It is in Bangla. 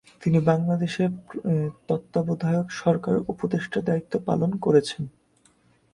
তিনি বাংলাদেশে তত্ত্বাবধায়ক সরকারের উপদেষ্টার দায়িত্ব পালন করেছেন।